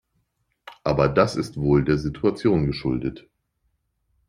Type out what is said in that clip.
Aber das ist wohl der Situation geschuldet.